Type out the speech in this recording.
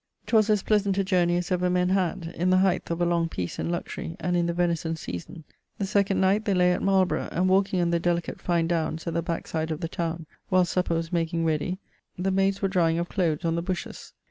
'Twas as pleasant a journey as ever men had; in the heighth of a long peace and luxury, and in the venison season. The second night they lay at Marlborough, and walking on the delicate fine downes at the backside of the towne, whilest supper was making ready, the maydes were drying of cloathes on the bushes.